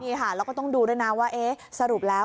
นี่ค่ะแล้วก็ต้องดูด้วยนะว่าเอ๊ะสรุปแล้ว